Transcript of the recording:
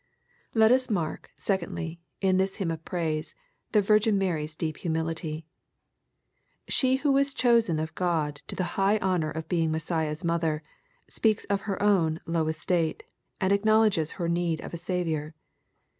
Let us mark, secondly, in this hymn of praise, the Virgin Mary's deep humility. She who was chosen of God to the high honor of being Messiah's mother, speaks of her own " low estate,^' and acknowledges her need of a " Saviour.''